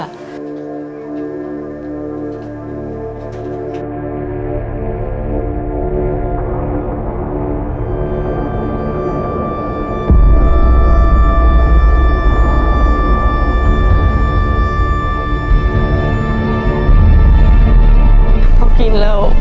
อย่างมีทุนที่นี่ก็ไม่มีทุนไปขายของตังค์